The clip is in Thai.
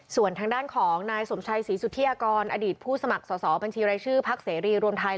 ส่วนทางด้านของนายสมชัยศรีสุธิยากรอดีตผู้สมัครสอบบัญชีรายชื่อพักเสรีรวมไทย